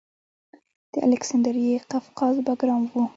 د الکسندریه قفقاز بګرام و